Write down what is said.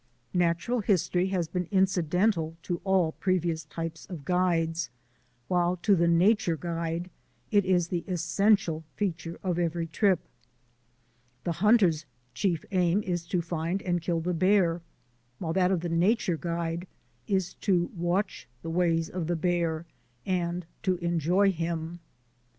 Natural history has been incidental to all pre vious types of guides, while to the nature guide it is the essential feature of every trip. The hunter's chief aim is to find and kill the bear, while that of THE EVOLUTION OF NATURE GUIDING 245 the nature guide is to watch the ways of the hear and to enjoy him.